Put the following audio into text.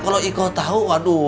kalau iko tahu